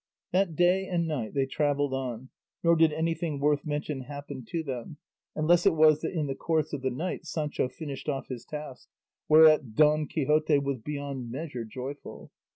That day and night they travelled on, nor did anything worth mention happen to them, unless it was that in the course of the night Sancho finished off his task, whereat Don Quixote was beyond measure joyful.